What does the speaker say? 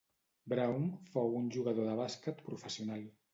Brown fou un jugador de bàsquet professional.